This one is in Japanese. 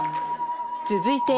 続いて